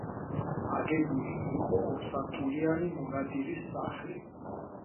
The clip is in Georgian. აგებული იყო ორსართულიანი მონადირის სახლი.